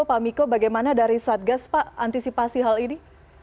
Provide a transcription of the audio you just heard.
pak miko bagaimana dari satgas pak antisipasi hal ini